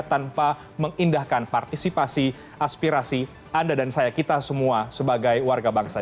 tanpa mengindahkan partisipasi aspirasi anda dan saya kita semua sebagai warga bangsa